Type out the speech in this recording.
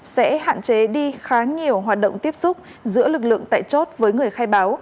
sẽ hạn chế đi khá nhiều hoạt động tiếp xúc giữa lực lượng tại chốt với người khai báo